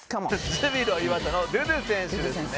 「ジュビロ磐田のドゥドゥ選手ですね」